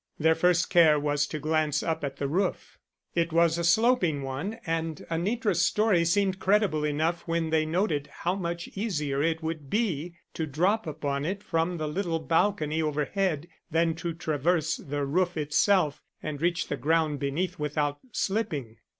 Their first care was to glance up at the roof. It was a sloping one and Anitra's story seemed credible enough when they noted how much easier it would be to drop upon it from the little balcony overhead than to traverse the roof itself and reach the ground beneath without slipping.